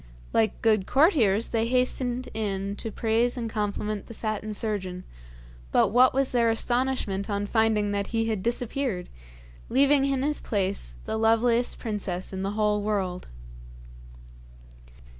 Like good courtiers, they hastened in to praise and compliment the Satin Surgeon, but what was their astonishment on finding that he had disappeared, leaving in his place the loveliest princess in the whole world.